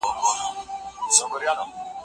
د رښتیا ویلو له امله هغه ته هېڅ زیان ونه رسېد.